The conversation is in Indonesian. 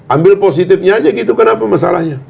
ambil positifnya aja gitu kenapa masalahnya